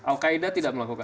al qaeda tidak melakukan